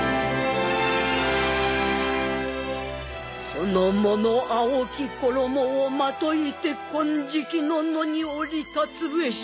「その者青き衣をまといて金色の野に降り立つべし」。